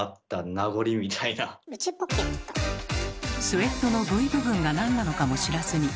スウェットのＶ部分がなんなのかも知らずに。